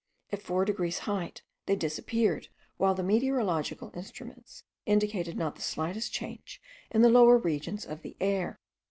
At four degrees height, they disappeared, while the meteorological instruments indicated not the slightest change in the lower regions of the air.